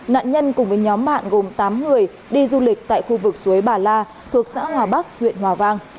nạn nhân cùng với nhóm bạn gồm tám người đi du lịch tại khu vực suối bà la thuộc xã hòa bắc huyện hòa vang